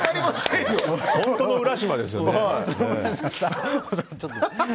本当の浦島ですよね。